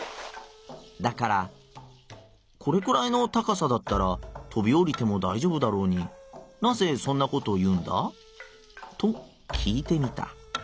だから『これくらいの高さだったら飛びおりてもだいじょうぶだろうになぜそんなことを言うんだ？』と聞いてみた。